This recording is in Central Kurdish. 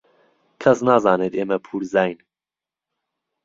کەس نازانێت ئێمە پوورزاین.